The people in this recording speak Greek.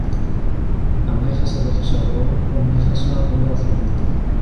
Αν έχασα το θησαυρό, τον έχασα από λάθος μου.